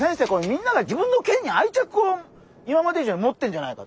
みんなが自分の県に愛着を今まで以上に持ってんじゃないかと。